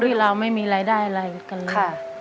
คุณยายแดงคะทำไมต้องซื้อลำโพงและเครื่องเสียง